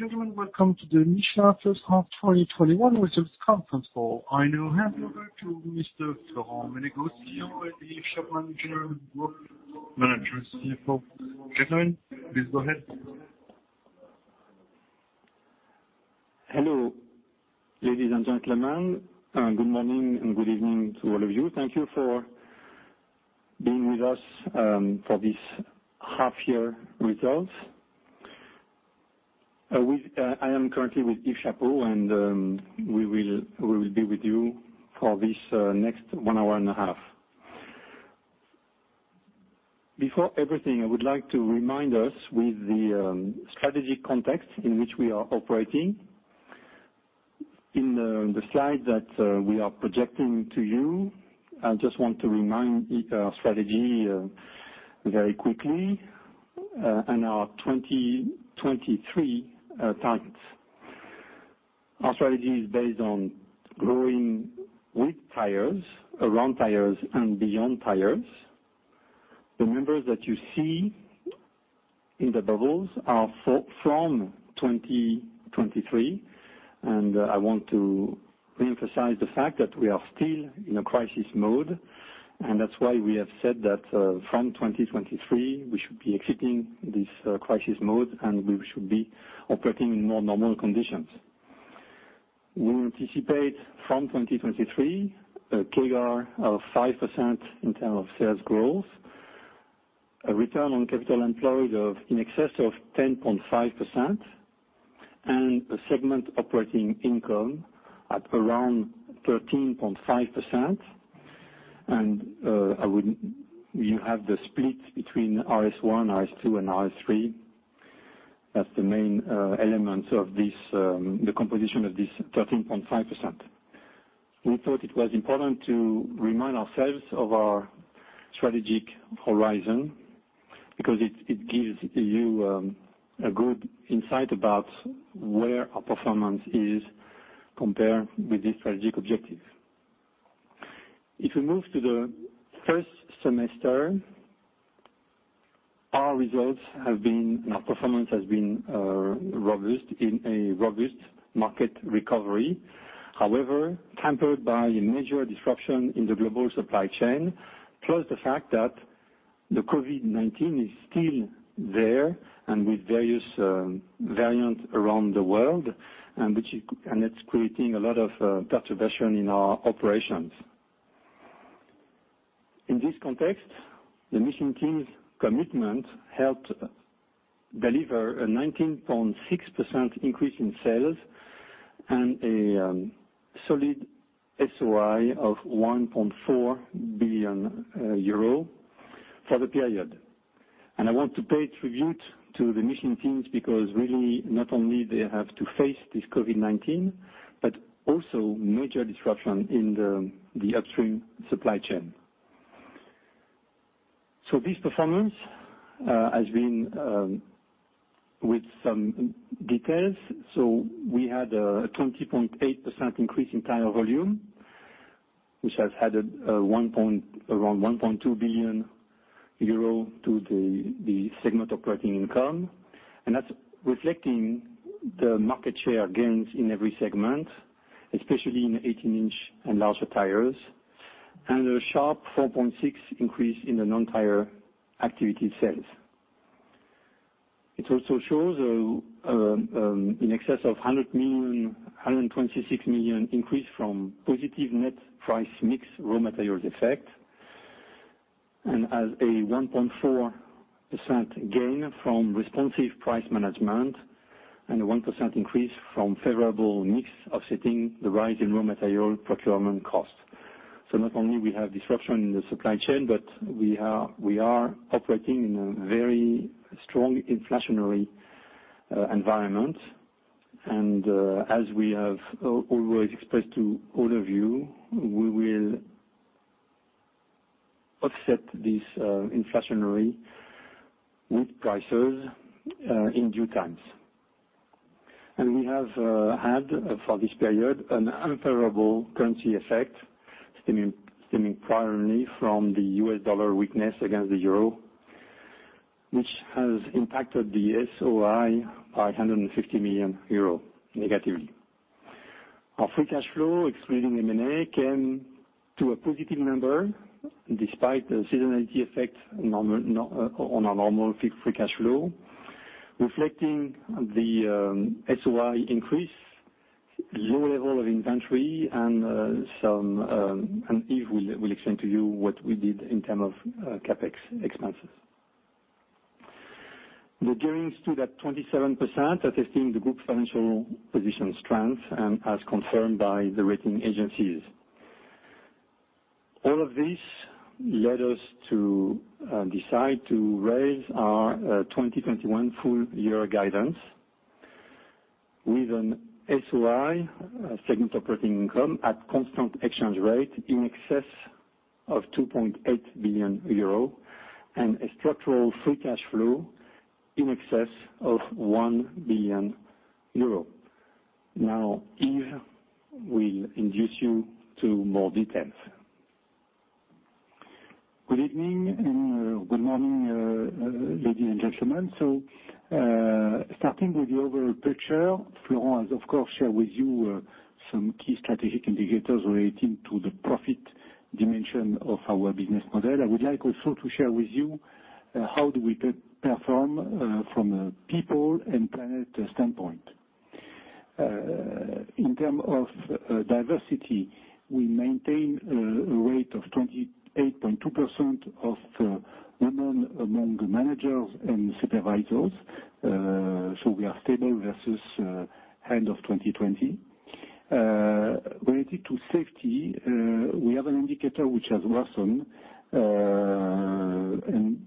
Ladies and gentlemen, welcome to the Michelin first half 2021 results conference call. I now hand over to Mr. Florent Menegaux, CEO and Yves Chapot, General Manager, CFO. Gentlemen, please go ahead. Hello, ladies and gentlemen. Good morning and good evening to all of you. Thank you for being with us for these half-year results. I am currently with Yves Chapot and we will be with you for this next one hour and a half. Before everything, I would like to remind us with the strategic context in which we are operating. In the slide that we are projecting to you, I just want to remind you our strategy very quickly, and our 2023 targets. Our strategy is based on growing with tires, around tires, and beyond tires. The numbers that you see in the bubbles are from 2023, and I want to reemphasize the fact that we are still in a crisis mode, and that's why we have said that from 2023, we should be exiting this crisis mode and we should be operating in more normal conditions. We anticipate from 2023, a CAGR of 5% in term of sales growth, a return on capital employed in excess of 10.5%, and a segment operating income at around 13.5%. You have the split between SR1, SR2 and SR3 as the main elements of the composition of this 13.5%. We thought it was important to remind ourselves of our strategic horizon because it gives you a good insight about where our performance is compared with the strategic objective. If we move to the first semester, our performance has been robust in a robust market recovery. However, tempered by a major disruption in the global supply chain, plus the fact that the COVID-19 is still there and with various variants around the world, and it's creating a lot of perturbation in our operations. In this context, the Michelin team's commitment helped deliver a 19.6% increase in sales and a solid SOI of 1.4 billion euro for the period. I want to pay tribute to the Michelin teams because really not only they have to face this COVID-19, but also major disruption in the upstream supply chain. This performance has been with some details. We had a 20.8% increase in tire volume, which has added around 1.2 billion euro to the segment operating income. That's reflecting the market share gains in every segment, especially in the 18-in and larger tires, and a sharp 4.6% increase in the non-tire activity sales. It also shows in excess of 126 million increase from positive net price mix raw materials effect, and as a 1.4% gain from responsive price management and a 1% increase from favorable mix offsetting the rise in raw material procurement cost. Not only we have disruption in the supply chain, but we are operating in a very strong inflationary environment. As we have always expressed to all of you, we will offset this inflationary with prices in due times. We have had for this period an unfavorable currency effect stemming primarily from the U.S. dollar weakness against the euro, which has impacted the SOI by 150 million euro negatively. Our free cash flow excluding M&A came to a positive number despite the seasonality effect on our normal free cash flow, reflecting the SOI increase, low level of inventory and Yves will explain to you what we did in term of CapEx expenses. The gearing stood at 27%, attesting the group financial position strength and as confirmed by the rating agencies. All of this led us to decide to raise our 2021 full year guidance with an SOI, segment operating income at constant exchange rate in excess of 2.8 billion euro and a structural free cash flow in excess of 1 billion euro. Yves will induce you to more details. Good evening and good morning, ladies and gentlemen. Starting with the overall picture, Florent has, of course, shared with you some key strategic indicators relating to the profit dimension of our business model. I would like also to share with you how we perform from a people and planet standpoint. In terms of diversity, we maintain a rate of 28.2% of women among the managers and supervisors. We are stable versus end of 2020. Related to safety, we have an indicator which has worsened, and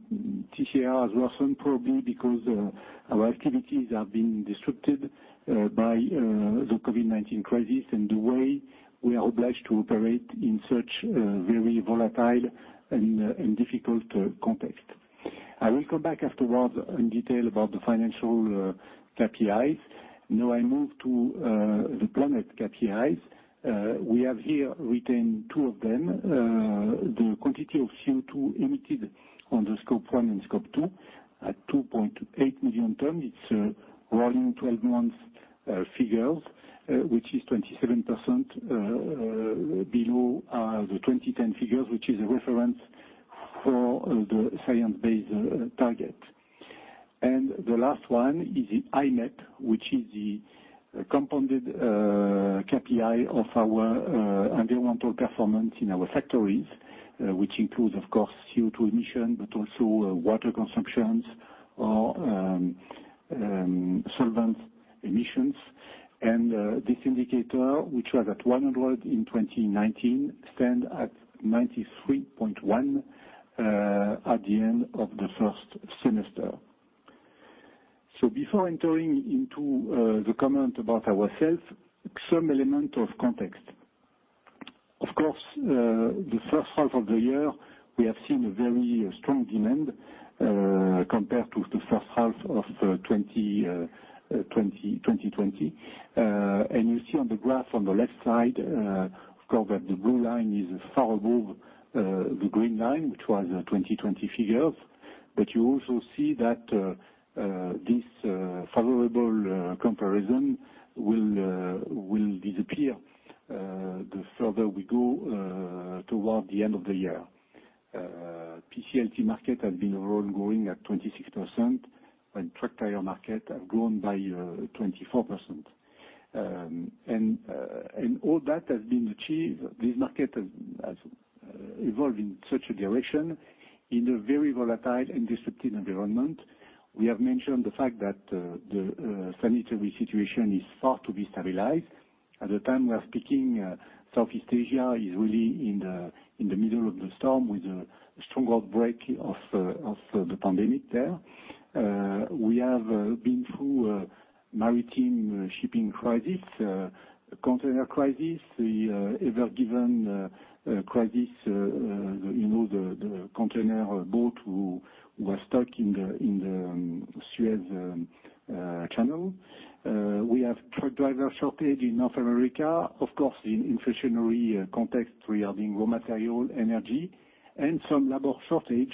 TCR has worsened probably because our activities are being disrupted by the COVID-19 crisis and the way we are obliged to operate in such a very volatile and difficult context. I will come back afterwards in detail about the financial KPIs. Now I move to the planet KPIs. We have here retained two of them. The quantity of CO2 emitted on the scope 1 and scope 2 at 2.8 million tons. It's a rolling 12 months figures, which is 27% below the 2010 figures, which is a reference for the Science-Based Targets. The last one is the i-MEP, which is the compounded KPI of our environmental performance in our factories, which includes, of course, CO2 emission, but also water consumptions or solvent emissions. This indicator, which was at 100 in 2019, stands at 93.1 at the end of the first semester. Before entering into the comment about our sales, some element of context. Of course, the first half of the year, we have seen a very strong demand, compared to the first half of 2020. You see on the graph on the left side, of course, that the blue line is far above the green line, which was 2020 figures. You also see that this favorable comparison will disappear the further we go toward the end of the year. PCLT market has been overall growing at 26% and truck tire market have grown by 24%. All that has been achieved. This market has evolved in such a direction in a very volatile and disruptive environment. We have mentioned the fact that the sanitary situation is thought to be stabilized. At the time we are speaking, Southeast Asia is really in the middle of the storm with a strong outbreak of the pandemic there. We have been through a maritime shipping crisis, a container crisis, the Ever Given crisis, the container boat who was stuck in the Suez Canal. We have truck driver shortage in North America, of course, the inflationary context regarding raw material energy and some labor shortage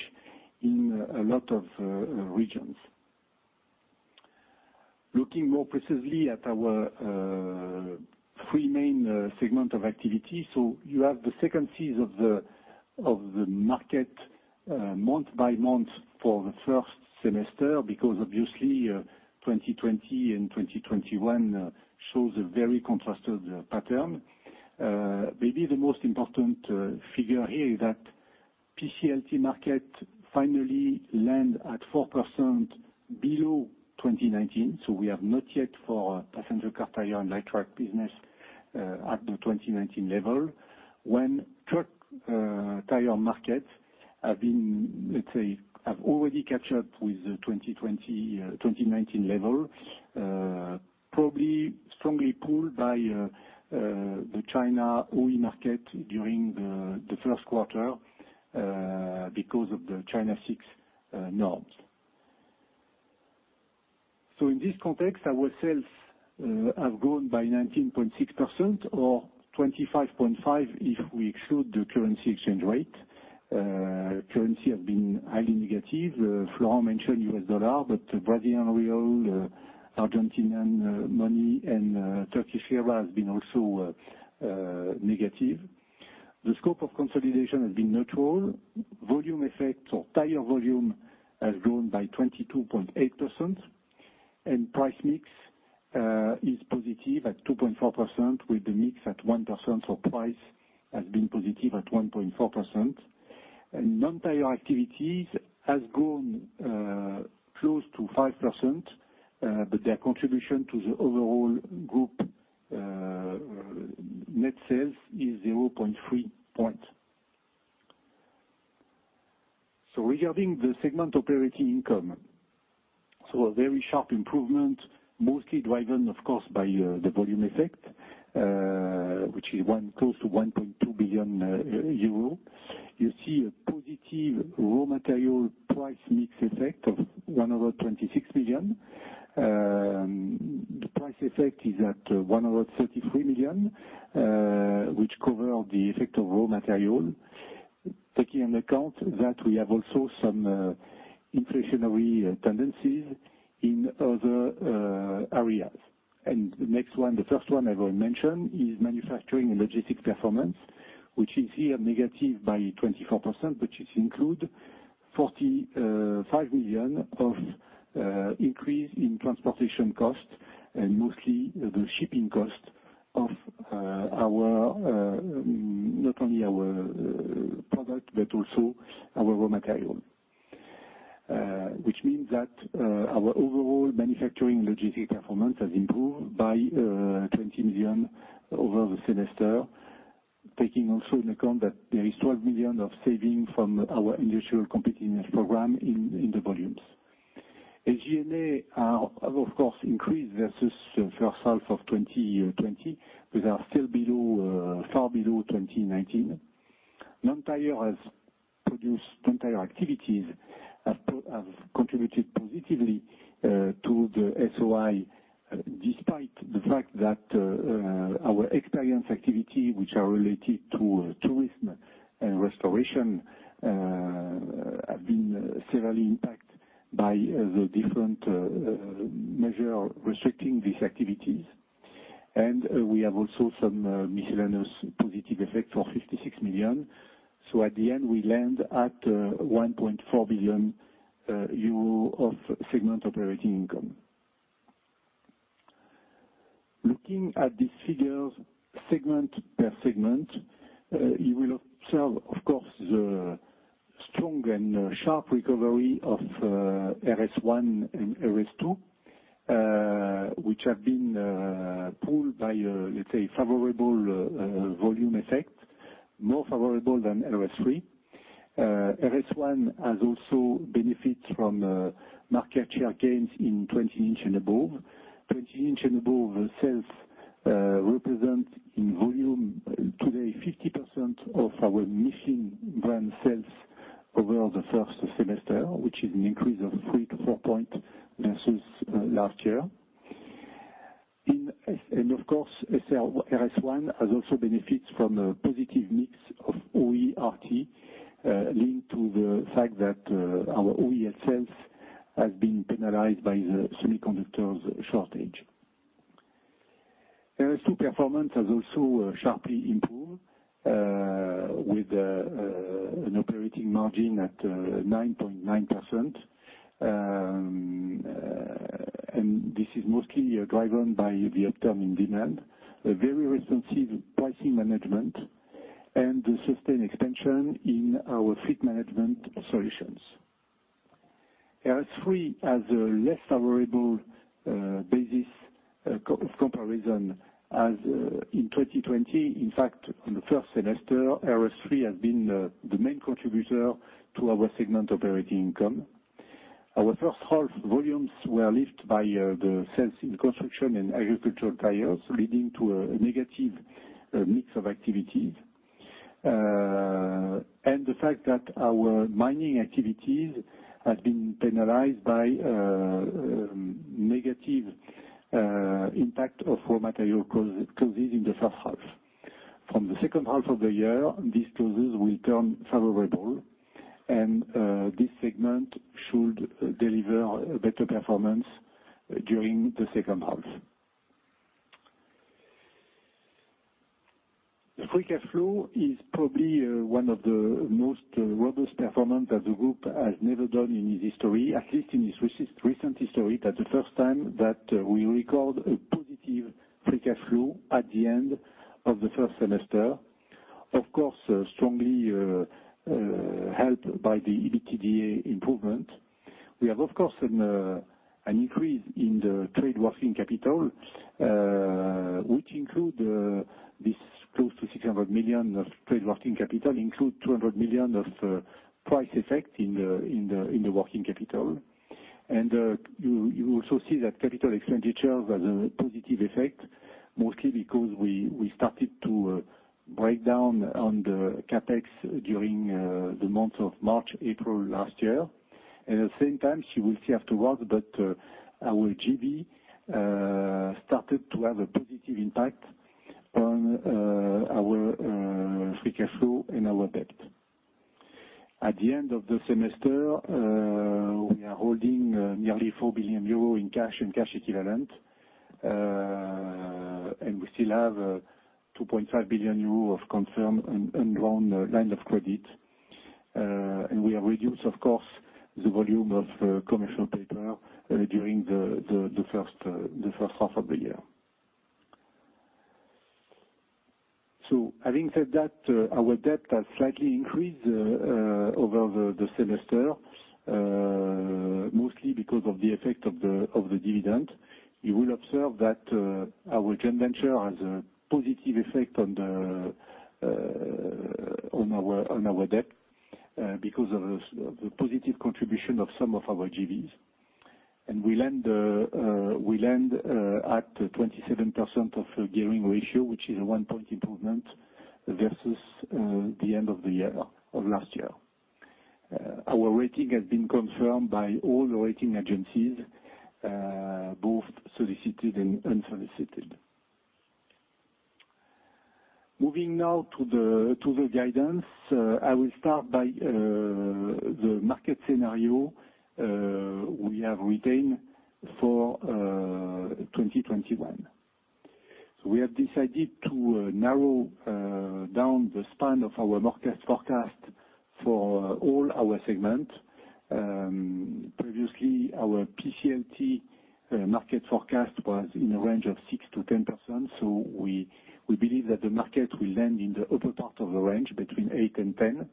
in a lot of regions. Looking more precisely at our three main segments of activity. You have the sequences of the market, month by month for the first semester, because obviously, 2020 and 2021 show a very contrasted pattern. Maybe the most important figure here is that PCLT market finally landed at 4% below 2019. We have not yet for passenger car tire and light truck business at the 2019 level. When truck tire markets have been, let's say, have already caught up with the 2020, 2019 level, probably strongly pulled by the China OE market during the first quarter, because of the China six norms. In this context, our sales have grown by 19.6% or 25.5% if we exclude the currency exchange rate. Currency has been highly negative. Florent mentioned U.S. dollar, Brazilian real, Argentinian peso, and Turkish lira have been also negative. The scope of consolidation has been neutral. Volume effect or tire volume has grown by 22.8%. Price mix is positive at 2.4% with the mix at 1%, price has been positive at 1.4%. Non-tire activities has grown close to 5%, but their contribution to the overall group net sales is 0.3 point. Regarding the segment operating income, a very sharp improvement, mostly driven of course by the volume effect, which is close to 1.2 billion euro. You see a positive raw material price mix effect of 126 million. Price effect is at 133 million, which cover the effect of raw material, taking into account that we have also some inflationary tendencies in other areas. The next one, the first one I will mention, is manufacturing and logistics performance, which is here negative by 24%, which include 45 million of increase in transportation costs and mostly the shipping cost of not only our product, but also our raw material. Which means that our overall manufacturing logistics performance has improved by 20 million over the semester, taking also into account that there is 12 million of saving from our industrial competitiveness program in the volumes. SG&A have, of course, increased versus the first half of 2020, but are still far below 2019. Non-tire activities have contributed positively to the SOI, despite the fact that our experience activity, which are related to tourism and restoration, have been severely impacted by the different measure restricting these activities. We have also some miscellaneous positive effect for 56 million. At the end, we land at 1.4 billion euro of segment operating income. Looking at these figures segment per segment, you will observe, of course, the strong and sharp recovery of SR1 and SR2, which have been pulled by a, let's say, favorable volume effect, more favorable than SR3. SR1 has also benefit from market share gains in 20-in and above. 20-in and above sales represent in volume today 50% of our Michelin brand sales over the first semester, which is an increase of 3-4 point versus last year. Of course, SR1 has also benefits from a positive mix of OE/RT, linked to the fact that our OE sales has been penalized by the semiconductors shortage. SR2 performance has also sharply improved, with an operating margin at 9.9%. This is mostly driven by the upturn in demand, a very responsive pricing management, and the sustained expansion in our fleet management solutions. SR3 has a less favorable basis of comparison as in 2020. In fact, in the first semester, SR3 has been the main contributor to our segment operating income. Our first half volumes were lifted by the sales in construction and agricultural tires, leading to a negative mix of activities. The fact that our mining activities has been penalized by a negative impact of raw material costs in the first half. From the second half of the year, these costs will turn favorable and this segment should deliver a better performance during the second half. The free cash flow is probably one of the most robust performance that the group has never done in its history, at least in its recent history. That's the first time that we record a positive free cash flow at the end of the first semester, of course, strongly helped by the EBITDA improvement. We have, of course, an increase in the trade working capital, which include this close to 600 million of trade working capital, include 200 million of price effect in the working capital. You also see that capital expenditures has a positive effect, mostly because we started to break down on the CapEx during the month of March, April last year. At the same time, you will see afterwards that our JV started to have a positive impact on our free cash flow and our debt. At the end of the semester, we are holding nearly 4 billion euros in cash and cash equivalent. We still have 2.5 billion euros of confirmed and undrawn line of credit. We have reduced, of course, the volume of commercial paper during the first half of the year. Having said that, our debt has slightly increased over the semester, mostly because of the effect of the dividend. You will observe that our joint venture has a positive effect on our debt because of the positive contribution of some of our JVs. We land at 27% of gearing ratio, which is a one-point improvement versus the end of last year. Our rating has been confirmed by all the rating agencies, both solicited and unsolicited. Moving now to the guidance. I will start by the market scenario we have retained for 2021. We have decided to narrow down the span of our market forecast for all our segments. Previously, our PCLT market forecast was in a range of 6%-10%, so we believe that the market will land in the upper part of the range, between 8% and 10%.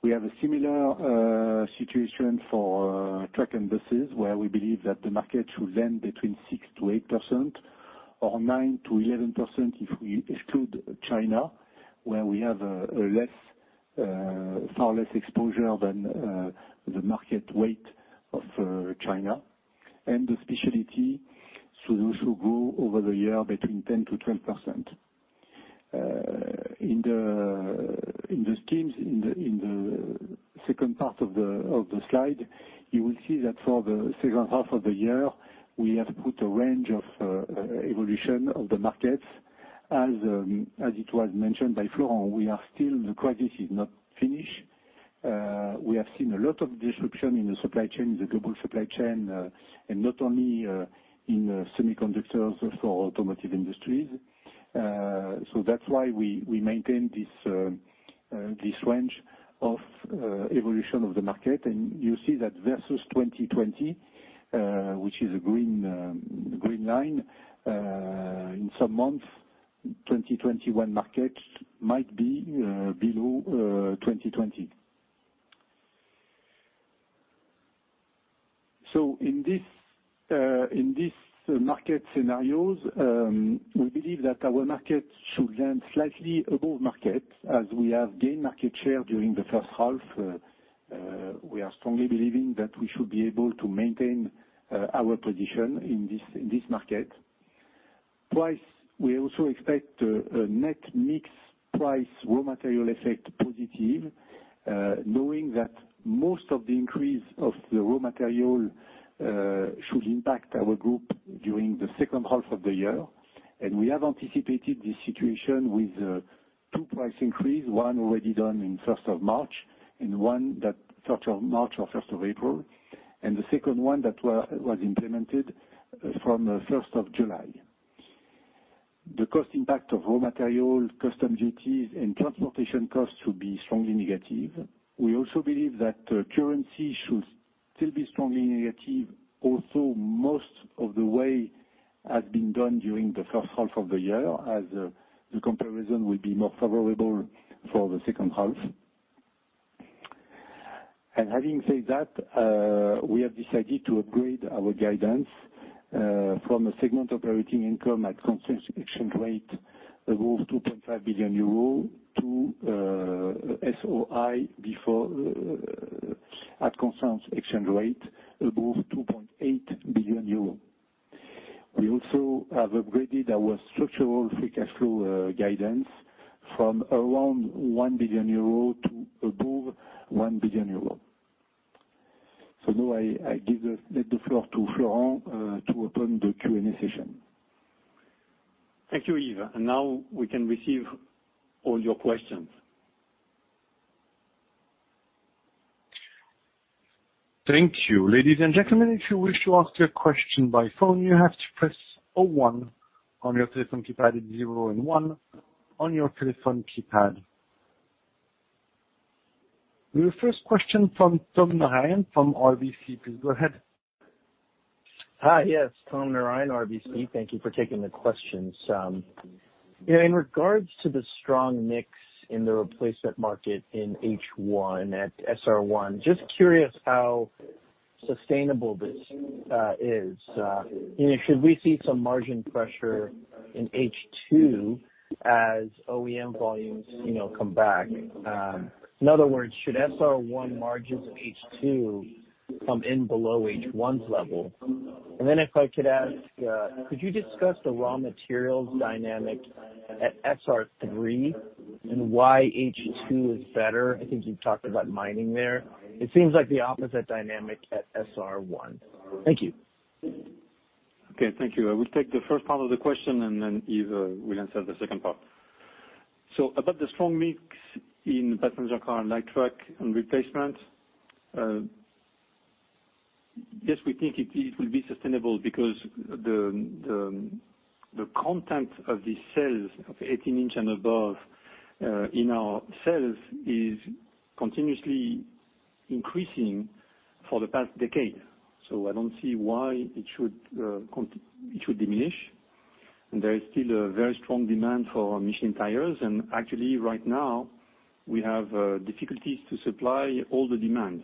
We have a similar situation for truck and buses, where we believe that the market should land between 6%-8%, or 9%-11% if we exclude China, where we have far less exposure than the market weight of China. The specialty solution grew over the year between 10%-12%. In the schemes in the second part of the slide, you will see that for the second half of the year, we have put a range of evolution of the markets. As it was mentioned by Florent, the crisis is not finished. We have seen a lot of disruption in the global supply chain, and not only in semiconductors for automotive industries. That's why we maintain this range of evolution of the market. You see that versus 2020, which is a green line, in some months, 2021 markets might be below 2020. In these market scenarios, we believe that our market should land slightly above market. As we have gained market share during the first half, we are strongly believing that we should be able to maintain our position in this market. Price, we also expect a net mix price raw material effect positive, knowing that most of the increase of the raw material should impact our group during the second half of the year. We have anticipated this situation with two price increase, one already done in 1st of March, and one that 1st of March or 1st of April, and the second one that was implemented from the 1st of July. The cost impact of raw material, custom duties, and transportation costs should be strongly negative. We also believe that currency should still be strongly negative, although most of the way has been done during the first half of the year, as the comparison will be more favorable for the second half. Having said that, we have decided to upgrade our guidance from a segment operating income at constant exchange rate above 2.5 billion euro to SOI at constant exchange rate above 2.8 billion euro. We also have upgraded our structural free cash flow guidance from around 1 billion euro to above 1 billion euro. Now I give the floor to Florent to open the Q&A session. Thank you, Yves. Now we can receive all your questions. Thank you. Ladies and gentlemen, if you wish to ask your question by phone, you have to press zero one on your telephone keypad, zero and one on your telephone keypad. Your first question from Tom Narayan from RBC. Please go ahead. Hi. Yes, Tom Narayan, RBC. Thank you for taking the questions. In regards to the strong mix in the replacement market in H1 at SR1, just curious how sustainable this is. Should we see some margin pressure in H2 as OEM volumes come back? In other words, should SR1 margins in H2 come in below H1's level? If I could ask, could you discuss the raw materials dynamic at SR3 and why H2 is better? I think you talked about mining there. It seems like the opposite dynamic at SR1. Thank you. Okay, thank you. I will take the first part of the question, and then Yves will answer the second part. About the strong mix in passenger car and light truck and replacement, yes, we think it will be sustainable because the content of these sales, of 18 in and above in our sales, is continuously increasing for the past decade. I don't see why it should diminish. There is still a very strong demand for Michelin tires. Actually, right now, we have difficulties to supply all the demand.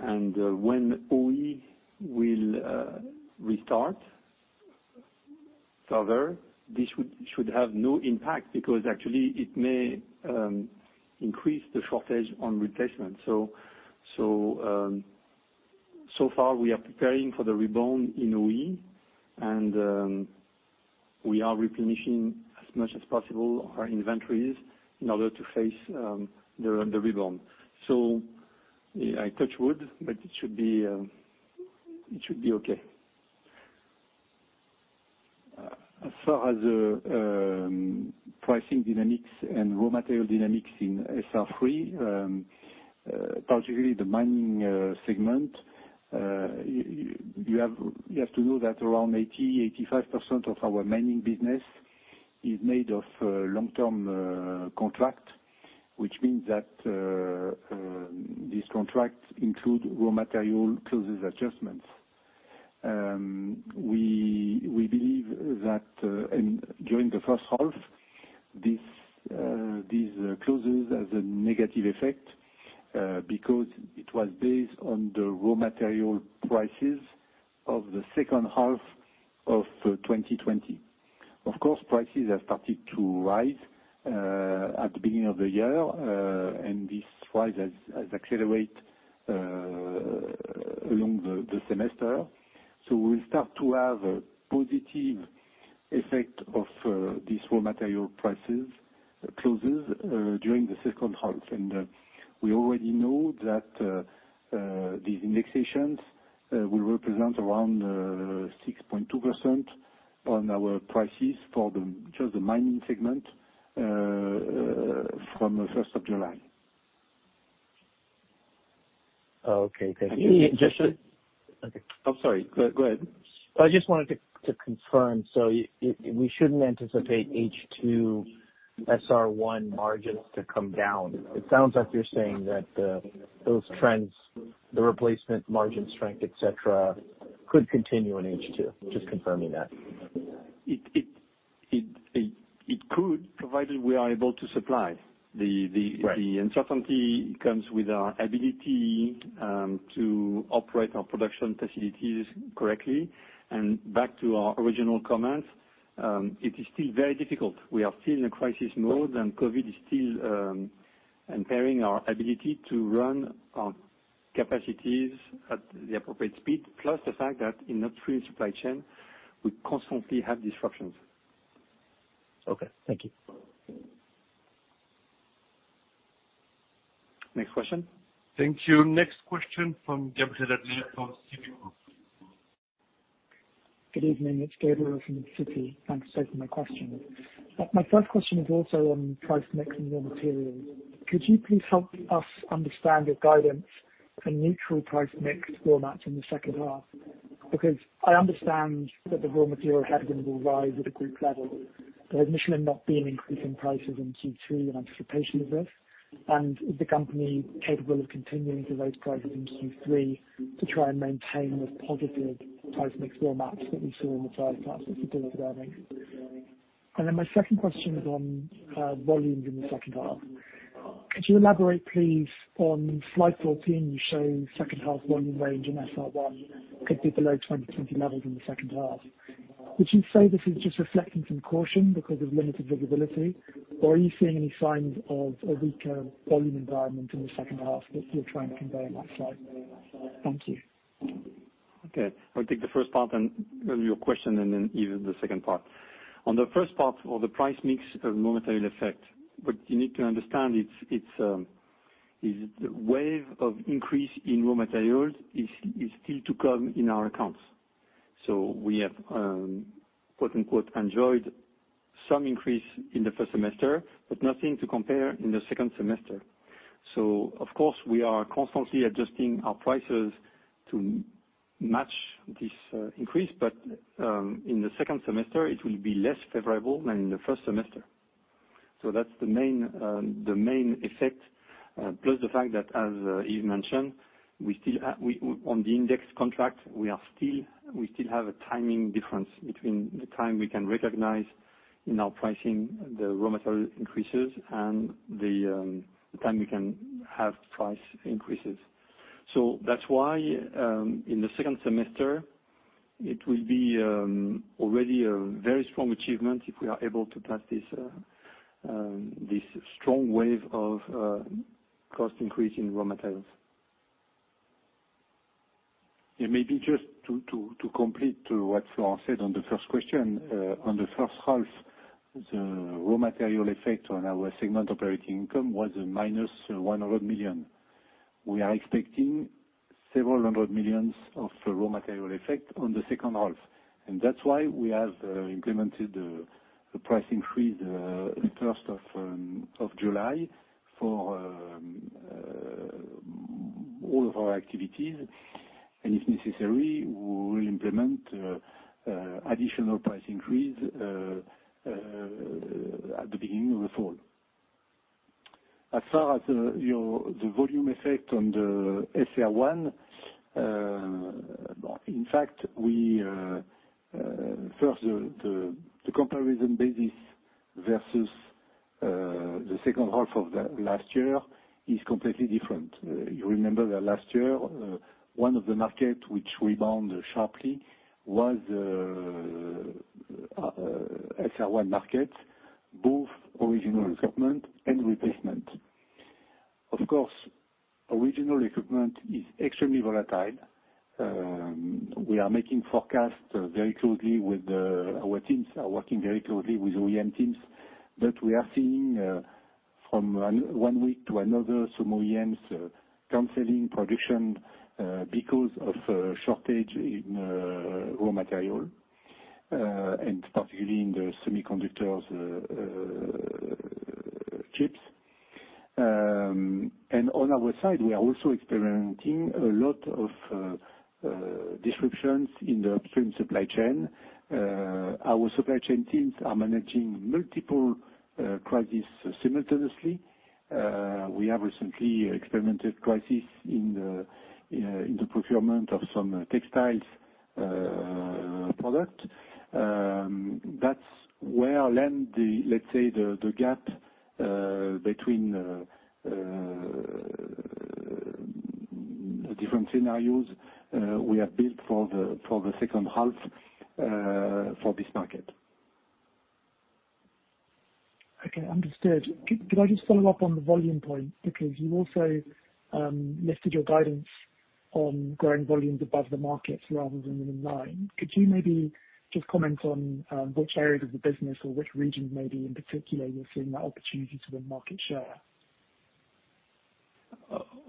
When OE will restart further, this should have no impact because actually it may increase the shortage on replacement. Far, we are preparing for the rebound in OE, and we are replenishing, as much as possible, our inventories in order to face the rebound. I touch wood, but it should be okay. As far as the pricing dynamics and raw material dynamics in SR3, particularly the mining segment, you have to know that around 80%, 85% of our mining business is made of long-term contract, which means that these contracts include raw material clauses adjustments. We believe that during the first half, these clauses has a negative effect because it was based on the raw material prices of the second half of 2020. Of course, prices have started to rise at the beginning of the year, and this rise has accelerated along the semester. We start to have a positive effect of these raw material prices clauses during the second half. We already know that these indexations will represent around 6.2% on our prices for just the mining segment from the 1st of July. Okay, great. I think just Okay. I'm sorry. Go ahead. I just wanted to confirm, we shouldn't anticipate H2 SR1 margins to come down. It sounds like you're saying that those trends, the replacement margin strength, et cetera, could continue in H2. Just confirming that. It could, provided we are able to supply. Right. The uncertainty comes with our ability to operate our production facilities correctly. Back to our original comments, it is still very difficult. We are still in a crisis mode, and COVID-19 is still impairing our ability to run our capacities at the appropriate speed. Plus the fact that in a free supply chain, we constantly have disruptions. Okay. Thank you. Next question. Thank you. Next question from Gabriel Adler from Citigroup. Good evening. It's Gabriel Adler from Citigroup. Thanks both for my questions. My first question is also on price mix and raw materials. Could you please help us understand your guidance for neutral price mix raw mats in the second half? I understand that the raw material headwind will rise at a group level. Has Michelin not been increasing prices in Q3 in anticipation of this? Is the company capable of continuing to raise prices in Q3 to try and maintain the positive price mix raw mats that we saw in the first half that you've been developing? My second question is on volumes in the second half. Could you elaborate, please, on slide 14, you show second half volume range in SR1 could be below 2020 levels in the second half. Would you say this is just reflecting some caution because of limited visibility, or are you seeing any signs of a weaker volume environment in the second half that you're trying to convey on that slide? Thank you. Okay. I'll take the first part of your question and then Yves the second part. On the first part of the price mix of raw material effect, what you need to understand it's the wave of increase in raw materials is still to come in our accounts. We have "enjoyed" some increase in the first semester, but nothing to compare in the second semester. Of course, we are constantly adjusting our prices to match this increase, but in the second semester it will be less favorable than in the first semester. That's the main effect, plus the fact that, as Yves mentioned, on the index contract, we still have a timing difference between the time we can recognize in our pricing the raw material increases and the time we can have price increases. That's why, in the second semester, it will be already a very strong achievement if we are able to pass this strong wave of cost increase in raw materials. Maybe just to complete what Florent said on the first question. On the first half, the raw material effect on our segment operating income was a minus 100 million. We are expecting several hundred million EUR of raw material effect on the second half, that's why we have implemented the price increase the 1st of July for all of our activities, if necessary, we will implement additional price increase at the beginning of the fall. As far as the volume effect on the SR1, in fact, first, the comparison basis versus the second half of last year is completely different. You remember that last year, one of the markets which rebound sharply was. SR1 market, both original equipment and replacement. Of course, original equipment is extremely volatile. We are making forecasts very closely with our teams, are working very closely with OEM teams, but we are seeing from one week to another, some OEMs canceling production because of a shortage in raw material, and particularly in the semiconductors chips. On our side, we are also experimenting a lot of disruptions in the upstream supply chain. Our supply chain teams are managing multiple crises simultaneously. We have recently experimented crisis in the procurement of some textiles product. That's where land the, let's say, the gap between different scenarios we have built for the second half for this market. Okay. Understood. Could I just follow up on the volume point? You also lifted your guidance on growing volumes above the markets rather than in line. Could you maybe just comment on which areas of the business or which regions maybe in particular you're seeing that opportunity to win market share?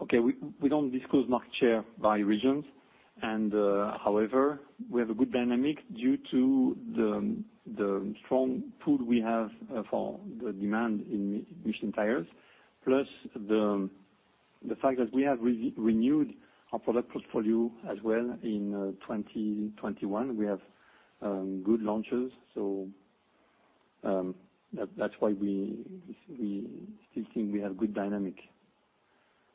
Okay. We don't disclose market share by regions. However, we have a good dynamic due to the strong pull we have for the demand in Michelin tires, plus the fact that we have renewed our product portfolio as well in 2021. We have good launches. That's why we still think we have good dynamic.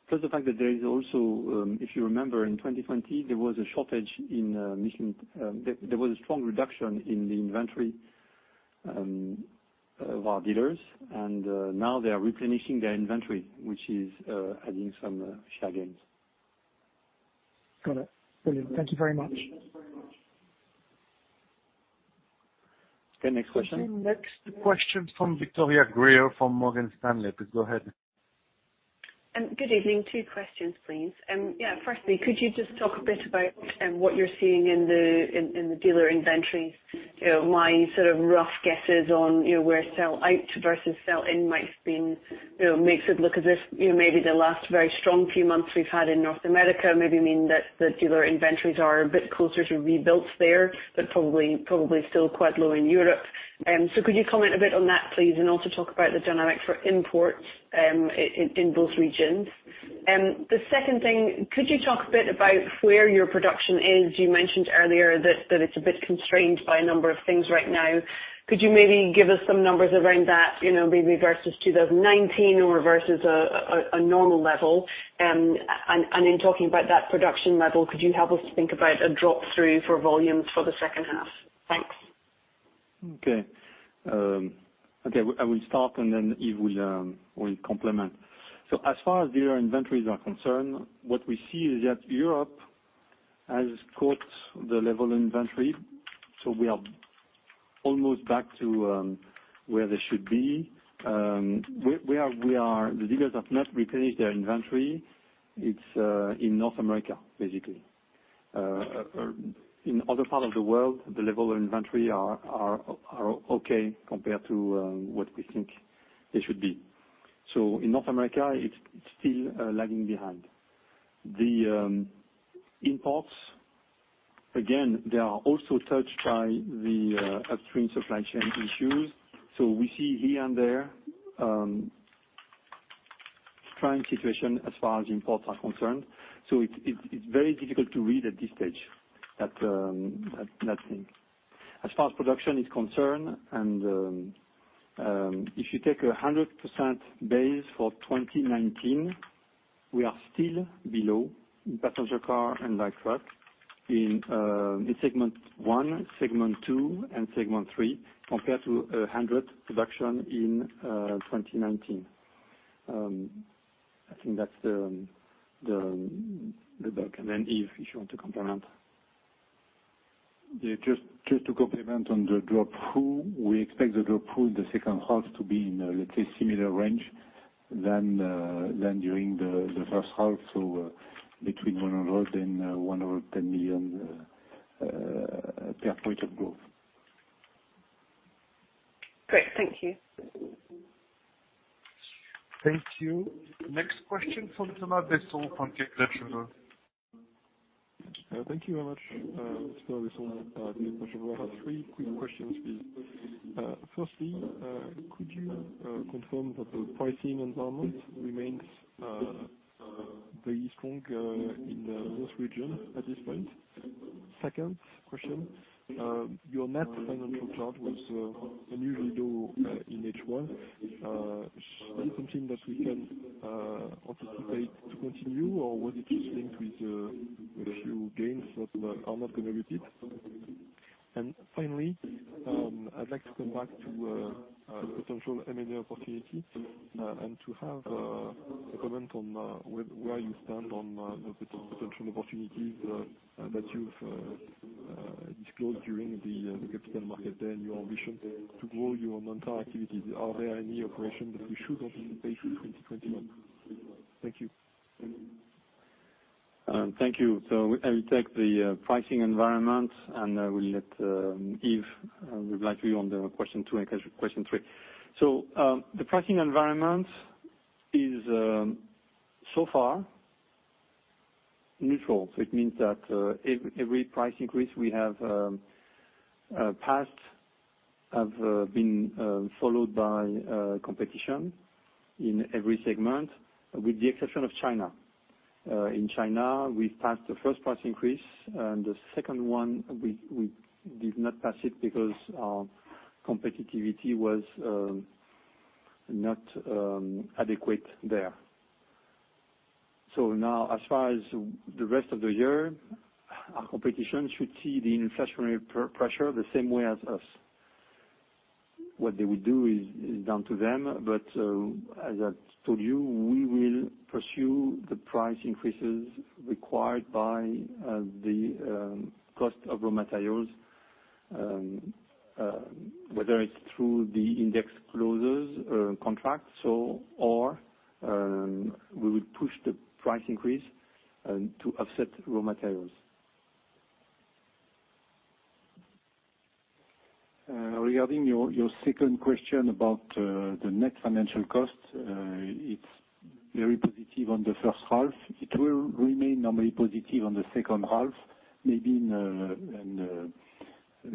Plus the fact that there is also, if you remember in 2020, there was a strong reduction in the inventory of our dealers. Now they are replenishing their inventory, which is adding some share gains. Got it. Brilliant. Thank you very much. Okay, next question. Next question from Victoria Greer from Morgan Stanley. Please go ahead. Good evening. Two questions, please. Could you just talk a bit about what you're seeing in the dealer inventories? My sort of rough guesses on where sell out versus sell in makes it look as if maybe the last very strong few months we've had in North America maybe mean that the dealer inventories are a bit closer to rebuilt there, but probably still quite low in Europe. Could you comment a bit on that, please, and also talk about the dynamic for imports in both regions? The second thing, could you talk a bit about where your production is? You mentioned earlier that it's a bit constrained by a number of things right now. Could you maybe give us some numbers around that, maybe versus 2019 or versus a normal level? In talking about that production level, could you help us think about a drop-through for volumes for the second half? Thanks. Okay. I will start and then Yves will complement. As far as dealer inventories are concerned, what we see is that Europe has caught the level inventory. We are almost back to where they should be. Where the dealers have not replenished their inventory, it's in North America, basically. In other part of the world, the level of inventory are okay compared to what we think they should be. In North America, it's still lagging behind. The imports, again, they are also touched by the upstream supply chain issues. We see here and there trying situation as far as imports are concerned. It's very difficult to read at this stage that link. As far as production is concerned, if you take 100% base for 2019, we are still below passenger car and light truck in segment 1, segment 2, and segment 3 compared to 100 production in 2019. I think that's the bulk. Then Yves, if you want to complement. Yeah, just to complement on the drop-through, we expect the drop-through in the second half to be in a, let's say, similar range than during the first half, between 100 million and 110 million per point of growth. Great. Thank you. Thank you. Next question from Thomas Besson from Kepler Cheuvreux. Thank you very much. Thomas Besson, Kepler Cheuvreux. I have three quick questions, please. Firstly, could you confirm that the pricing environment remains very strong in those region at this point? Second question, your net financial charge was unusually low in H1. Is this something that we can anticipate to continue, or was it just linked with a few gains that are not going to be repeated? Finally, I'd like to come back to potential M&A opportunities and to have a comment on where you stand on the potential opportunities that you've disclosed during the capital market day and your ambition to grow your Non-tire activities. Are there any operations that we should anticipate for 2021? Thank you. Thank you. I will take the pricing environment and I will let Yves reply to you on the question two and question three. The pricing environment is so far neutral. It means that every price increase we have passed have been followed by competition in every segment, with the exception of China. In China, we passed the first price increase and the second one, we did not pass it because our competitivity was not adequate there. Now, as far as the rest of the year, our competition should see the inflationary pressure the same way as us. What they will do is down to them, but as I told you, we will pursue the price increases required by the cost of raw materials, whether it's through the index clauses contract, or we will push the price increase to offset raw materials. Regarding your second question about the net financial cost, it's very positive on the first half. It will remain normally positive on the second half, maybe in a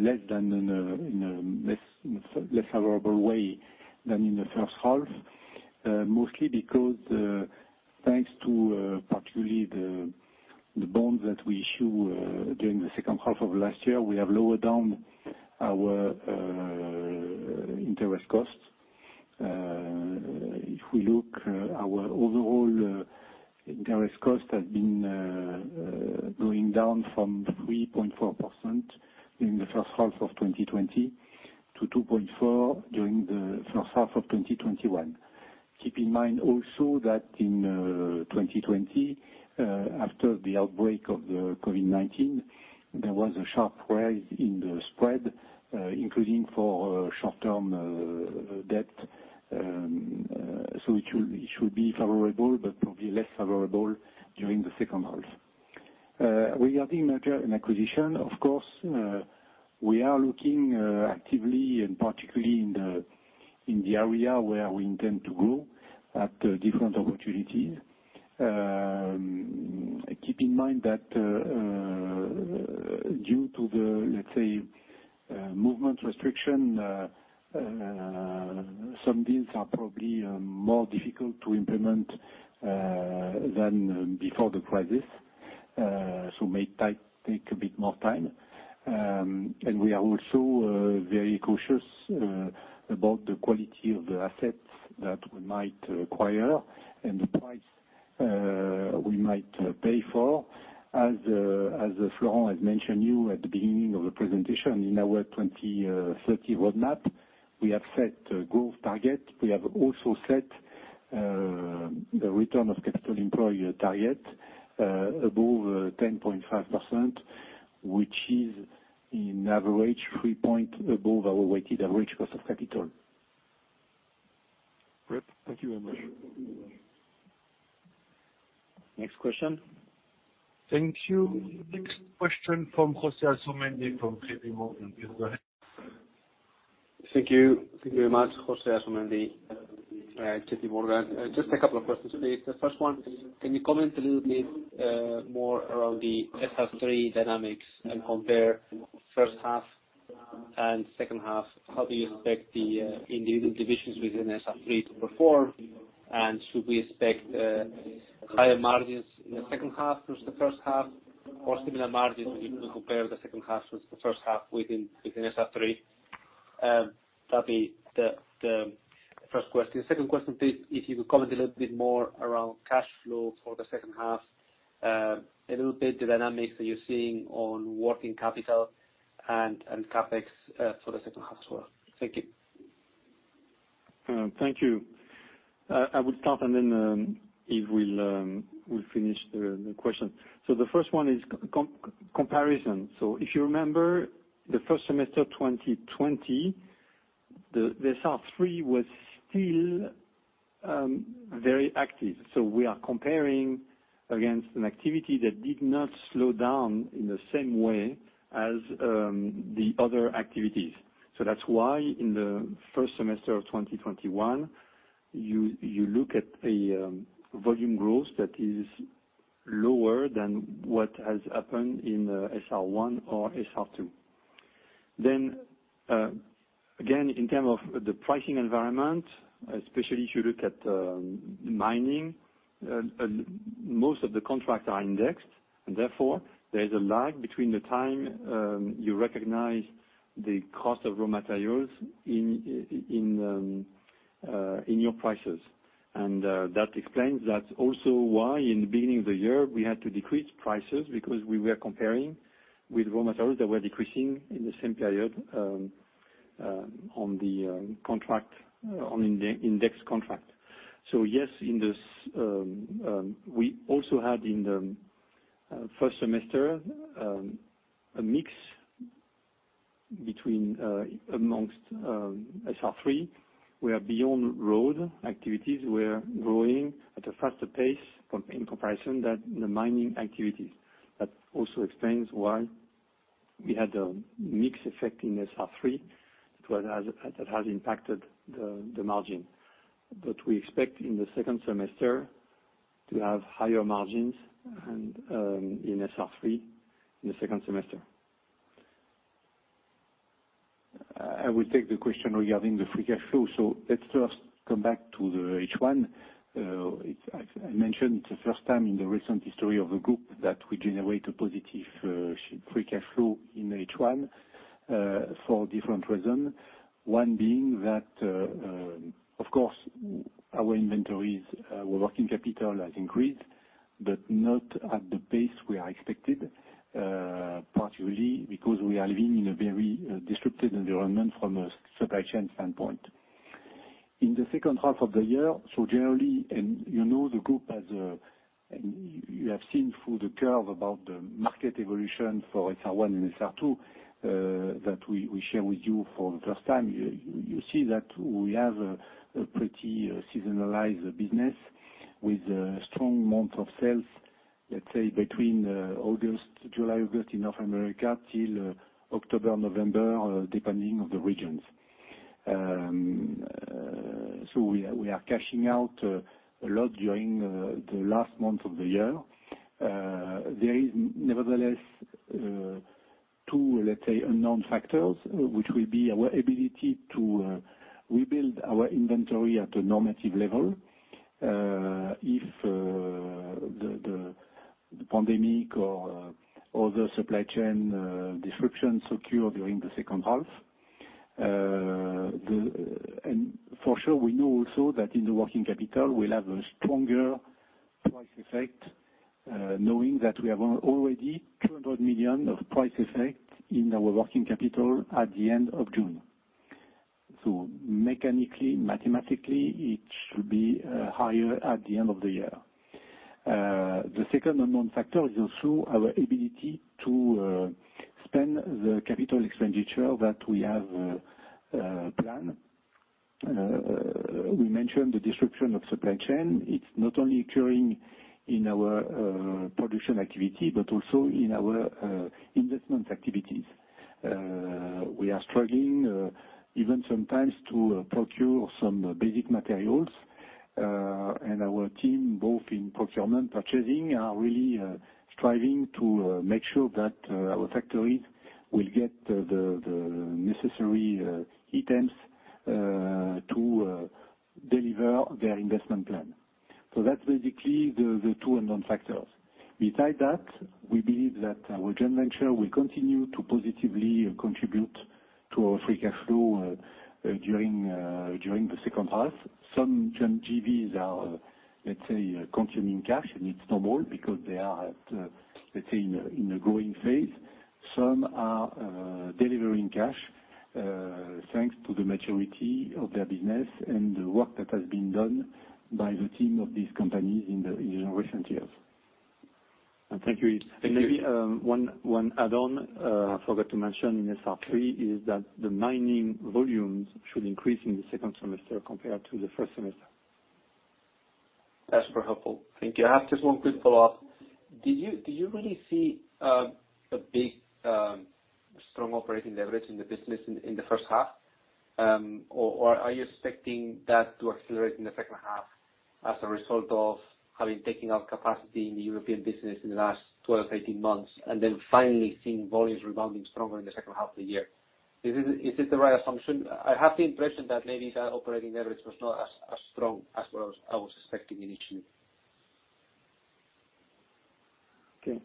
less favorable way than in the first half. Mostly because, thanks to particularly the bonds that we issue during the second half of last year, we have lowered down our interest costs. If we look, our overall interest cost has been going down from 3.4% in the first half of 2020 to 2.4% during the first half of 2021. Keep in mind also that in 2020, after the outbreak of the COVID-19, there was a sharp rise in the spread, including for short-term debt. It should be favorable, but probably less favorable during the second half. Regarding merger and acquisition, of course, we are looking actively and particularly in the area where we intend to grow at different opportunities. Keep in mind that due to the, let's say, movement restriction, some deals are probably more difficult to implement than before the crisis, so may take a bit more time. We are also very cautious about the quality of the assets that we might acquire and the price we might pay for. As Florent has mentioned you at the beginning of the presentation, in our 2030 roadmap, we have set a growth target. We have also set a return of capital employed target above 10.5%, which is on average 3 point above our weighted average cost of capital. Great. Thank you very much. Next question. Thank you. Next question from José Asumendi from JPMorgan. Thank you. Thank you very much, José Asumendi, JPMorgan. Just a couple of questions please. The first one, can you comment a little bit more around the SR3 dynamics and compare first half and second half, how do you expect the individual divisions within SR3 to perform? Should we expect higher margins in the second half versus the first half, or similar margins if you compare the second half versus the first half within SR3? That'd be the first question. Second question please, if you could comment a little bit more around cash flow for the second half. A little bit the dynamics that you're seeing on working capital and CapEx, for the second half as well. Thank you. Thank you. I will start and then Yves will finish the question. The first one is comparison. If you remember the first semester 2020, the SR3 was still very active. We are comparing against an activity that did not slow down in the same way as the other activities. That's why in the first semester of 2021, you look at a volume growth that is lower than what has happened in SR1 or SR2. Again, in term of the pricing environment, especially if you look at mining, most of the contracts are indexed, and therefore, there's a lag between the time you recognize the cost of raw materials in your prices. That explains that also why in the beginning of the year, we had to decrease prices because we were comparing with raw materials that were decreasing in the same period on index contract. Yes, we also had in the first semester a mix amongst SR3, where beyond road activities were growing at a faster pace in comparison than the mining activities. That also explains why we had a mix effect in SR3 that has impacted the margin. We expect in the second semester to have higher margins in SR3 in the second semester. I will take the question regarding the free cash flow. Let's first come back to the H1. I mentioned it's the first time in the recent history of the group that we generate a positive free cash flow in H1, for different reasons. One being that, of course, our inventories, our working capital has increased, but not at the pace we are expected, partially because we are living in a very disrupted environment from a supply chain standpoint. In the second half of the year, generally, and you know You have seen through the curve about the market evolution for SR1 and SR2 that we share with you for the first time. You see that we have a pretty seasonalized business with a strong month of sales, let's say between July, August in North America till October, November, depending on the regions. We are cashing out a lot during the last month of the year. There is nevertheless two, let's say, unknown factors, which will be our ability to rebuild our inventory at a normative level, if the pandemic or other supply chain disruptions occur during the second half. For sure, we know also that in the working capital, we'll have a stronger price effect, knowing that we have already 200 million of price effect in our working capital at the end of June. Mechanically, mathematically, it should be higher at the end of the year. The second unknown factor is also our ability to spend the CapEx that we have planned. We mentioned the disruption of supply chain. It's not only occurring in our production activity, but also in our investment activities. We are struggling even sometimes to procure some basic materials. Our team, both in procurement, purchasing, are really striving to make sure that our factories will get the necessary items to deliver their investment plan. That's basically the two unknown factors. Besides that, we believe that our joint venture will continue to positively contribute to our free cash flow during the second half. Some JVs are, let's say, consuming cash, and it's normal because they are at, let's say, in a growing phase. Some are delivering cash thanks to the maturity of their business and the work that has been done by the team of these companies in the recent years. Thank you. Maybe one add-on, I forgot to mention in SR3 is that the mining volumes should increase in the second semester compared to the first semester. That's super helpful. Thank you. I have just one quick follow-up. Do you really see a big strong operating leverage in the business in the first half? Or are you expecting that to accelerate in the second half as a result of having taken out capacity in the European business in the last 12-18 months, and then finally seeing volumes rebounding stronger in the second half of the year? Is this the right assumption? I have the impression that maybe the operating leverage was not as strong as what I was expecting it to be. Okay.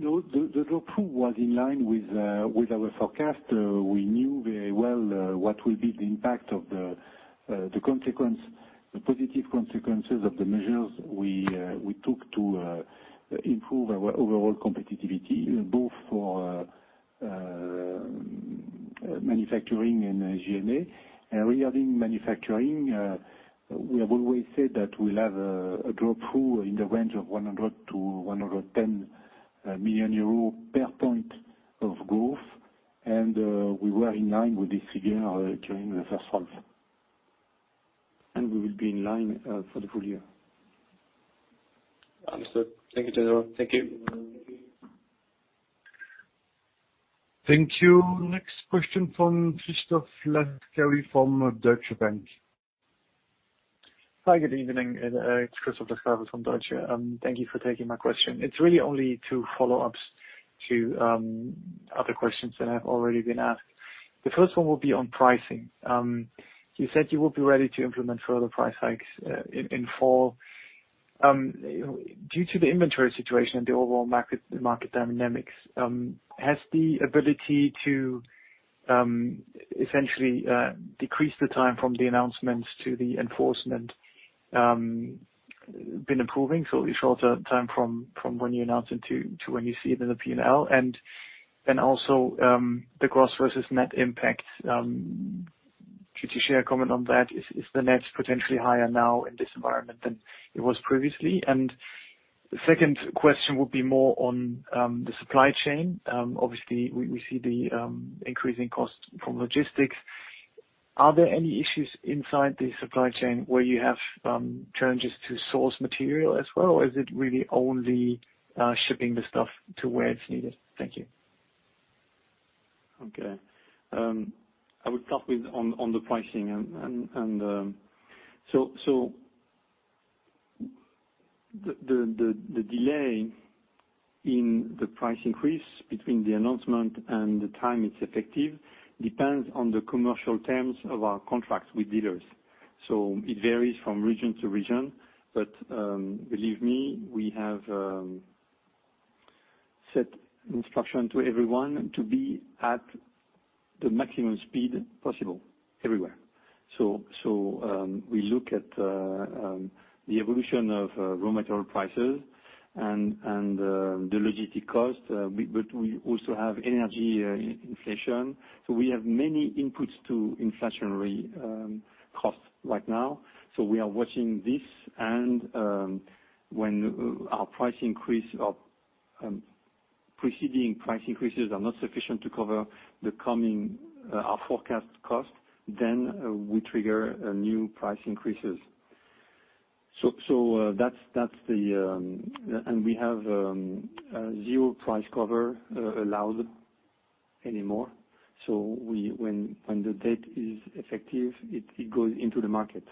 The drop-through was in line with our forecast. We knew very well what will be the impact of the positive consequences of the measures we took to improve our overall competitiveness, both for manufacturing and G&A. Regarding manufacturing, we have always said that we'll have a drop-through in the range of 100 million-110 million euro per point of growth, and we were in line with this figure during the first half. We will be in line for the full year. Understood. Thank you, Yves. Thank you. Thank you. Next question from Christoph Laskawi from Deutsche Bank. Hi, good evening. It's Christoph Laskawi from Deutsche. Thank you for taking my question. It's really only two follow-ups to other questions that have already been asked. The first one will be on pricing. You said you will be ready to implement further price hikes in fall. Due to the inventory situation and the overall market dynamics, has the ability to essentially decrease the time from the announcements to the enforcement been improving, so a shorter time from when you announce it to when you see it in the P&L. Also the gross versus net impact. Could you share a comment on that? Is the net potentially higher now in this environment than it was previously? The second question would be more on the supply chain. Obviously, we see the increasing cost from logistics. Are there any issues inside the supply chain where you have challenges to source material as well, or is it really only shipping the stuff to where it's needed? Thank you. Okay. I would start with on the pricing. The delay in the price increase between the announcement and the time it's effective depends on the commercial terms of our contracts with dealers. It varies from region to region. Believe me, we have set instruction to everyone to be at the maximum speed possible everywhere. We look at the evolution of raw material prices and the logistic cost. We also have energy inflation. We have many inputs to inflationary costs right now. We are watching this, and when our preceding price increases are not sufficient to cover our forecast cost, we trigger new price increases. We have zero price cover allowed anymore. When the date is effective, it goes into the market.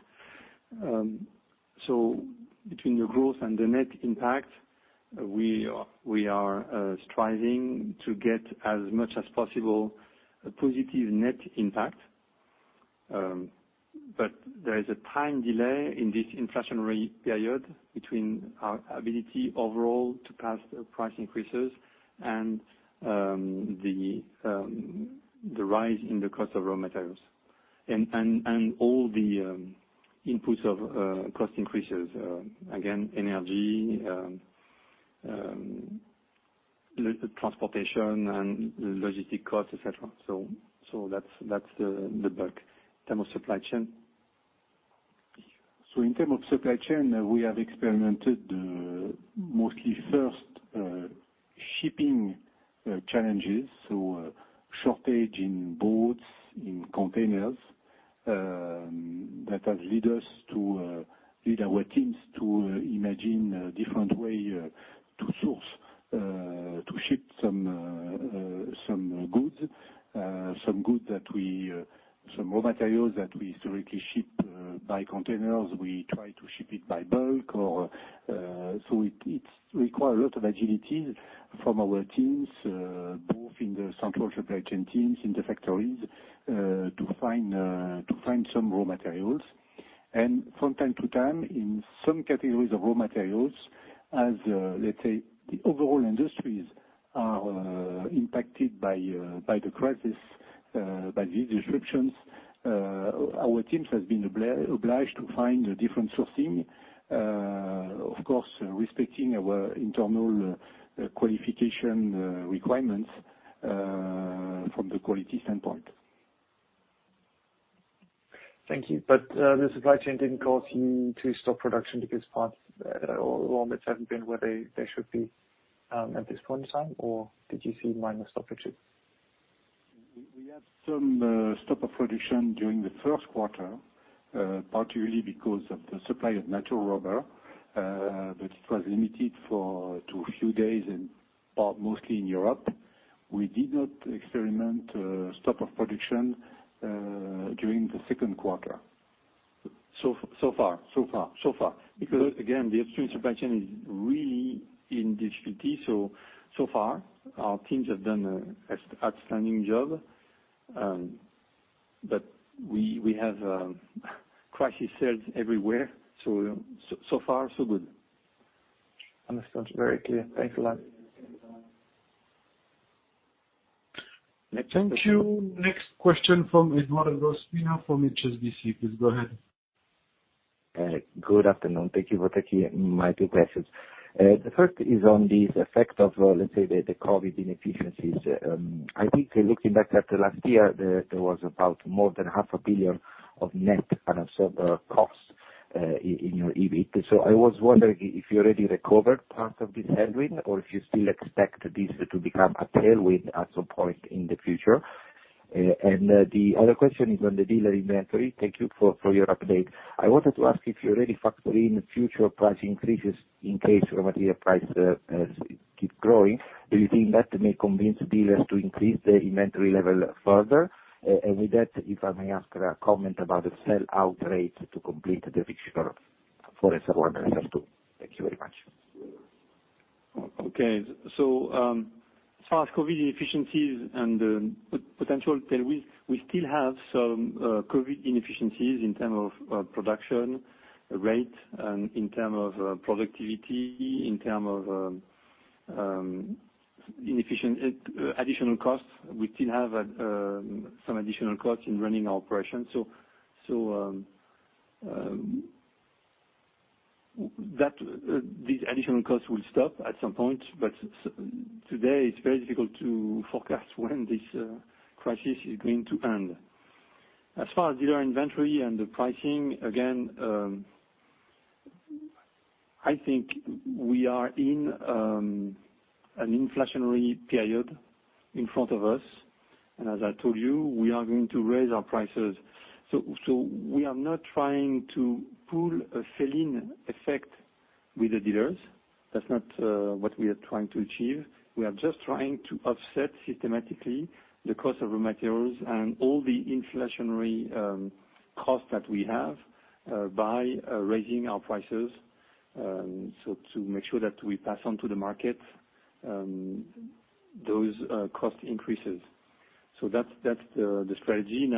Between the growth and the net impact, we are striving to get as much as possible a positive net impact. There is a time delay in this inflationary period between our ability overall to pass price increases and the rise in the cost of raw materials and all the inputs of cost increases. Energy, transportation, and logistics costs, et cetera. That's the bulk. In terms of supply chain. In terms of supply chain, we have experimented mostly first shipping challenges. Shortage in boats, in containers, that has led our teams to imagine a different way to source, to ship some goods, some raw materials that we historically ship by containers, we try to ship it by bulk. It requires a lot of agility from our teams, both in the central supply chain teams, in the factories, to find some raw materials. From time to time, in some categories of raw materials, as let's say the overall industries are impacted by the crisis, by these disruptions, our teams have been obliged to find a different sourcing, of course, respecting our internal qualification requirements from the quality standpoint. Thank you. The supply chain didn't cause you to stop production because parts or raw materials haven't been where they should be at this point in time, or did you see minor stoppages? We had some stop of production during the first quarter, particularly because of the supply of natural rubber. It was limited to a few days in part, mostly in Europe. We did not experiment stop of production during the second quarter. So far? So far. Again, the extreme supply chain is really in difficulty. So far our teams have done a outstanding job, but we have crisis cells everywhere. So far so good. Understood. Very clear. Thanks a lot. Thank you. Thank you. Next question from Edoardo Spina from HSBC. Please go ahead. Good afternoon. Thank you for taking my two questions. The first is on this effect of, let's say, the COVID-19 inefficiencies. I think looking back at last year, there was about more than 500 million of net unabsorbed costs in your EBIT. I was wondering if you already recovered part of this headwind or if you still expect this to become a tailwind at some point in the future. The other question is on the dealer inventory. Thank you for your update. I wanted to ask if you already factor in future price increases in case raw material price keep growing. Do you think that may convince dealers to increase the inventory level further? With that, if I may ask a comment about the sell-out rate to complete the fixture for SR1 and SR2. Thank you very much. Okay. As far as COVID inefficiencies and potential tailwind, we still have some COVID inefficiencies in term of production rate and in term of productivity, in term of inefficient additional costs. We still have some additional costs in running our operations. These additional costs will stop at some point, but today it's very difficult to forecast when this crisis is going to end. As far as dealer inventory and the pricing, again, I think we are in an inflationary period in front of us, and as I told you, we are going to raise our prices. We are not trying to pull a sell-in effect with the dealers. That's not what we are trying to achieve. We are just trying to offset systematically the cost of raw materials and all the inflationary costs that we have by raising our prices, so to make sure that we pass on to the market those cost increases. That's the strategy.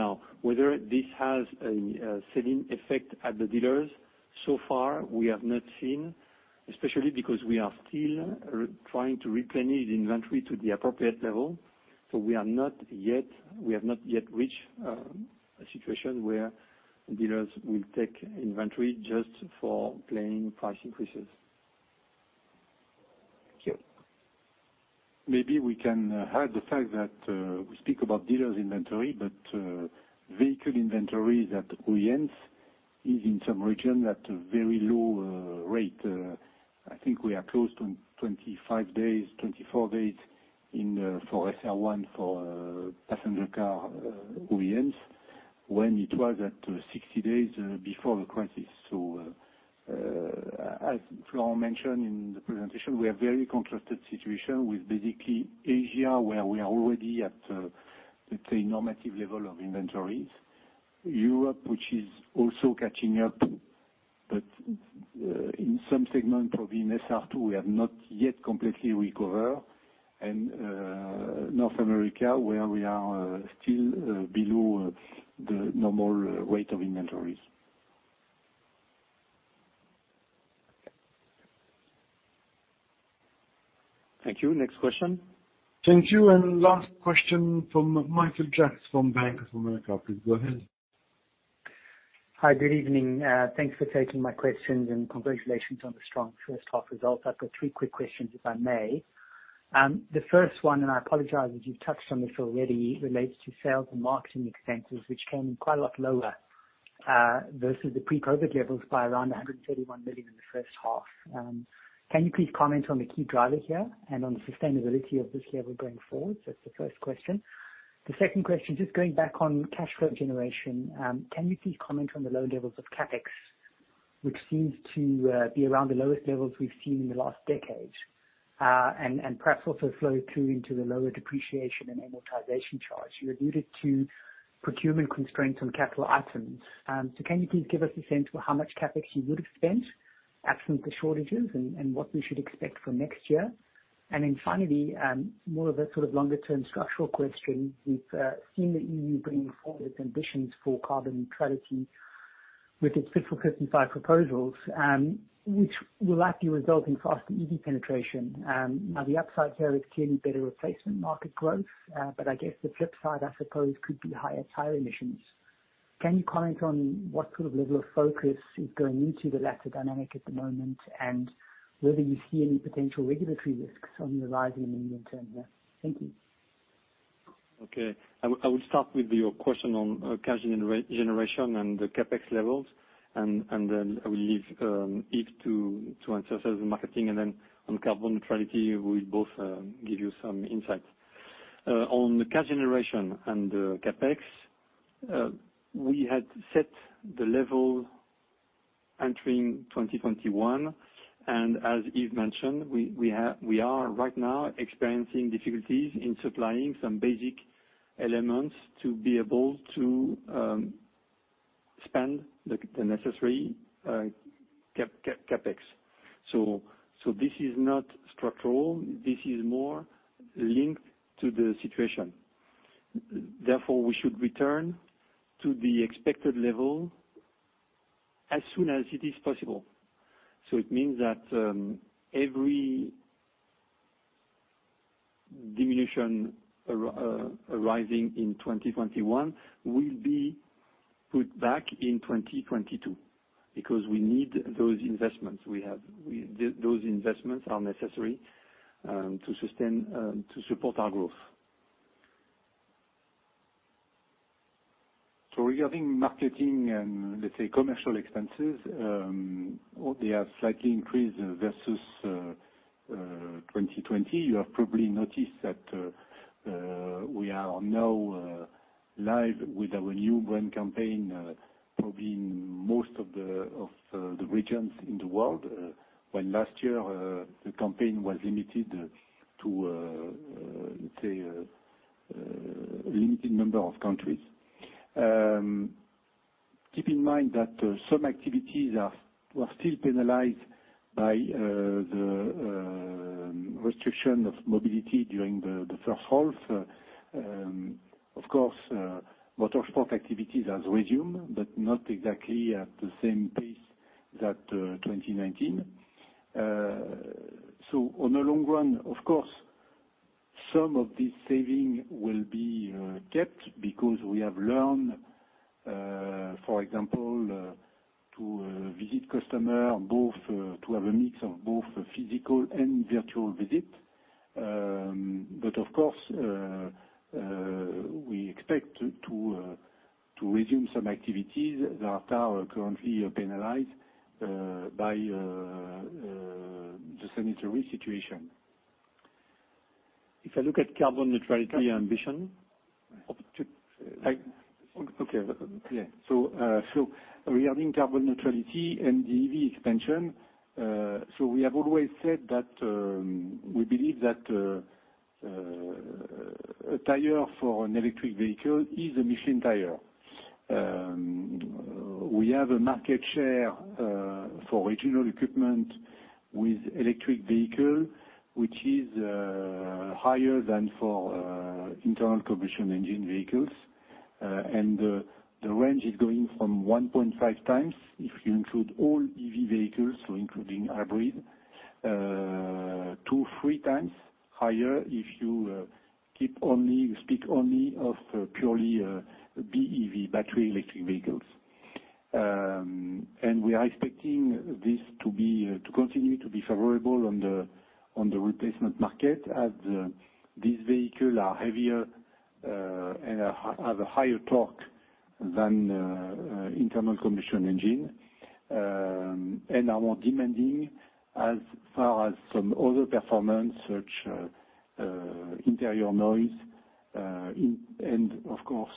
Whether this has a sell-in effect at the dealers, so far we have not seen, especially because we are still trying to replenish the inventory to the appropriate level. We have not yet reached a situation where dealers will take inventory just for plain price increases. Thank you. Maybe we can add the fact that we speak about dealers inventory, but vehicle inventories at OEMs is in some region at a very low rate. I think we are close to 25 days, 24 days for SR1 for passenger car OEMs, when it was at 60 days before the crisis. As Florent mentioned in the presentation, we are very contrasted situation with basically Asia, where we are already at, let's say, normative level of inventories. Europe, which is also catching up, but in some segment, probably in SR2, we have not yet completely recover, and North America, where we are still below the normal rate of inventories. Thank you. Next question. Thank you. Last question from Michael Jacks from Bank of America. Please go ahead. Hi. Good evening. Thanks for taking my questions and congratulations on the strong first half results. I've got three quick questions, if I may. I apologize as you've touched on this already, relates to sales and marketing expenses, which came in quite a lot lower, versus the pre-COVID-19 levels by around 131 million in the first half. Can you please comment on the key driver here and on the sustainability of this level going forward? That's the first question. The second question, just going back on cash flow generation. Can you please comment on the low levels of CapEx, which seems to be around the lowest levels we've seen in the last decade? Perhaps also flow through into the lower depreciation and amortization charge. You alluded to procurement constraints on capital items. Can you please give us a sense for how much CapEx you would have spent absent the shortages and what we should expect for next year? Finally, more of a sort of longer term structural question. We've seen the E.U. bringing forward its ambitions for carbon neutrality with its Fit for 55 proposals, which will likely result in faster EV penetration. The upside here is clearly better replacement market growth. I guess the flip side, I suppose, could be higher tire emissions. Can you comment on what sort of level of focus is going into the latter dynamic at the moment, and whether you see any potential regulatory risks on the horizon in the near term there? Thank you. I will start with your question on cash generation and the CapEx levels, and then I will leave Yves to answer sales and marketing, and then on carbon neutrality, we'll both give you some insights. On the cash generation and the CapEx, we had set the level entering 2021, and as Yves mentioned, we are right now experiencing difficulties in supplying some basic elements to be able to spend the necessary CapEx. This is not structural. This is more linked to the situation. Therefore, we should return to the expected level as soon as it is possible. It means that every diminution arising in 2021 will be put back in 2022, because we need those investments. Those investments are necessary to support our growth. Regarding marketing and, let's say, commercial expenses, they have slightly increased versus 2020. You have probably noticed that we are now live with our new brand campaign, probably in most of the regions in the world. While last year, the campaign was limited to, let's say, a limited number of countries. Keep in mind that some activities were still penalized by the restriction of mobility during the first half. Of course, motorsport activities has resumed, but not exactly at the same pace that 2019. On the long run, of course. Some of these savings will be kept because we have learned, for example, to visit customers, to have a mix of both physical and virtual visits. Of course, we expect to resume some activities that are currently penalized by the sanitary situation. If I look at carbon neutrality ambition. Okay. Yeah. Regarding carbon neutrality and EV expansion, we have always said that we believe that a tire for an electric vehicle is a Michelin tire. We have a market share for original equipment with electric vehicles, which is higher than for internal combustion engine vehicles. The range is going from 1.5x if you include all EV vehicles, so including hybrid, to 3x higher if you speak only of purely BEV, battery electric vehicles. We are expecting this to continue to be favorable on the replacement market as these vehicles are heavier and have a higher torque than internal combustion engine, and are more demanding as far as some other performance such, interior noise, and of course,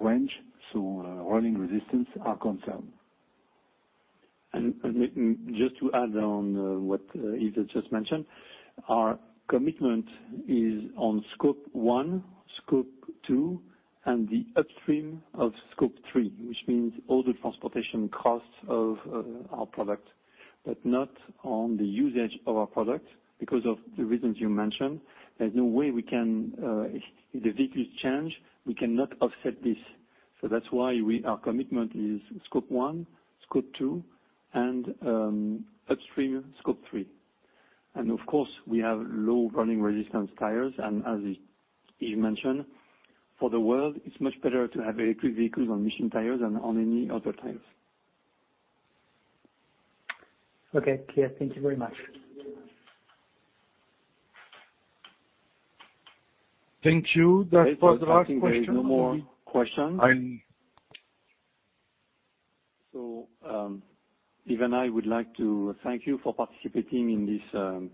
range, so rolling resistance are concerned. Just to add on what Yves just mentioned, our commitment is on scope 1, scope 2, and the upstream of scope 3, which means all the transportation costs of our product, but not on the usage of our product because of the reasons you mentioned. There's no way we can If the vehicles change, we cannot offset this. That's why our commitment is scope 1, scope 2, and upstream scope 3. Of course, we have low rolling resistance tires, and as Yves mentioned, for the world, it's much better to have electric vehicles on Michelin tires than on any other tires. Okay. Clear. Thank you very much. Thank you. That was the last question. I think there is no more questions. Yves and I would like to thank you for participating in this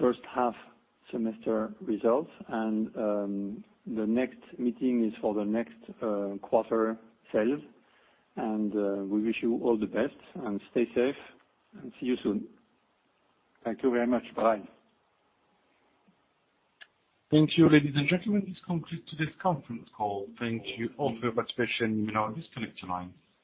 first half semester results. The next meeting is for the next quarter sales. We wish you all the best, and stay safe, and see you soon. Thank you very much. Bye. Thank you, ladies and gentlemen. This concludes today's conference call. Thank you all for your participation. You may now disconnect your lines.